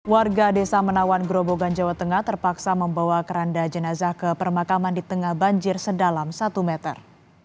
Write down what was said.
warga desa menawan gerobogan jawa tengah terpaksa membawa keranda jenazah ke permakaman di tengah banjir sedalam satu meter